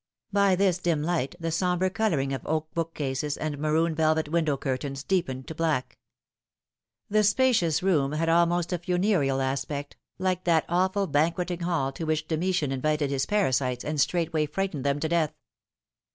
By this dim light the sombre colouring of oak bookcases and maroon velvet window curtains deepened to black. The spacious room had almost a funereal aspect, like that awful banqueting hall to which Domitian invited his parasites and straightway frightened them to death.